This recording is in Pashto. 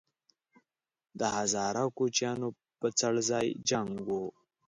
د هزاره او کوچیانو په څړځای جنګ وو